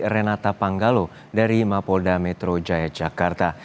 renata panggalo dari mapolda metro jaya jakarta